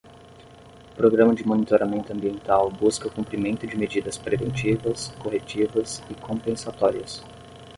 O programa de monitoramento ambiental busca o cumprimento de medidas preventivas, corretivas e compensatórias.